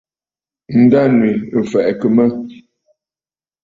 Ǹdânwì ɨ̀ fɛ̀ʼɛ̀kə̀ mə̂.